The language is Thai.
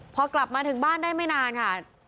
พอกลับมาถึงบ้านได้ไม่นานค่ะ